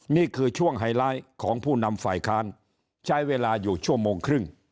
นี่คือช่วงไฮไลท์ของผู้นำฝ่ายค้านใช้เวลาอยู่ชั่วโมงครึ่ง